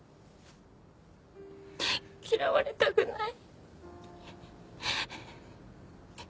嫌われたくない。